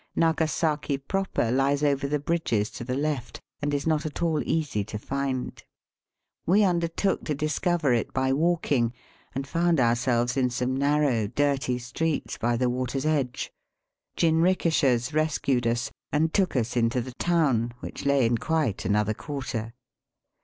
Nagasaki proper lies over the bridges to the left, and is not at all easy to find. We undertook to discover it by walking, and found ourselves in some narrow dirty streets by the water's edge. Jinrikishas rescued us, and took us into the town, which lay in quite another quarter.